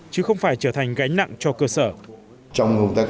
chứ không phải trở thành gánh nặng cho cơ sở